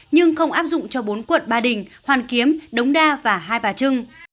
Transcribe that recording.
nhưng không áp dụng cho bốn quận ba đình hoàn kiếm đống đa và hai bà trưng